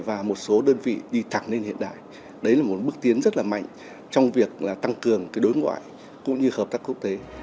và một số đơn vị đi thẳng lên hiện đại đấy là một bước tiến rất là mạnh trong việc tăng cường đối ngoại cũng như hợp tác quốc tế